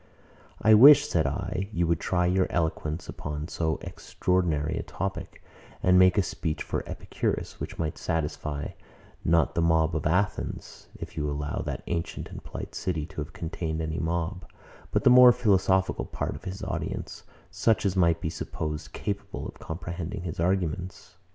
I wish, said I, you would try your eloquence upon so extraordinary a topic, and make a speech for Epicurus, which might satisfy, not the mob of Athens, if you will allow that ancient and polite city to have contained any mob, but the more philosophical part of his audience, such as might be supposed capable of comprehending his arguments.